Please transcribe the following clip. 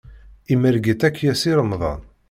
Imerreg-itt akya Si Remḍan.